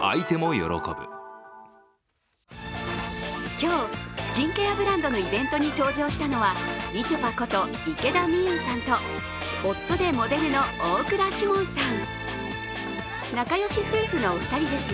今日、スキンケアブランドのイベントに登場したのはみちょぱこと池田美優さんと夫でモデルの大倉士門さん。